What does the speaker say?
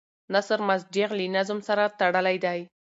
نثر مسجع له نظم سره تړلی دی.